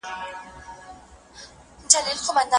ولي نران د نورو اړتياوي پوره کوي .